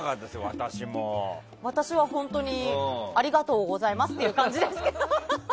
私は、本当にありがとうございますっていう感じですけど。